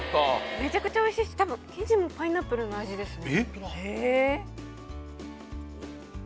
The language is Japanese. めちゃくちゃおいしいしたぶん生地もパイナップルの味ですね